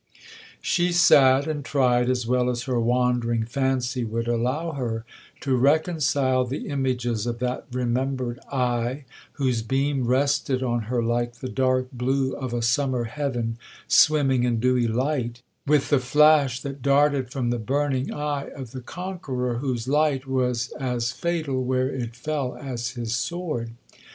'She sat and tried, as well as her wandering fancy would allow her, to reconcile the images of that remembered eye, whose beam rested on her like the dark blue of a summer heaven swimming in dewy light,—with the flash that darted from the burning eye of the conqueror, whose light was as fatal where it fell as his sword.